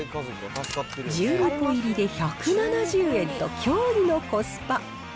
１２個入りで１７０円と、驚異のコスパ。